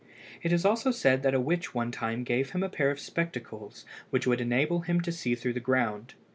It is also said that a witch one time gave him a pair of spectacles which would enable him to see through the ground.